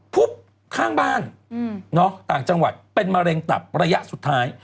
ข้างบ้านต่างจังหวัดเป็นมะเร็งตับระยะสุดท้าย